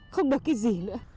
không được cái gì nữa